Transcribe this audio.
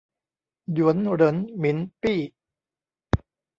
หยวนเหรินหมินปี้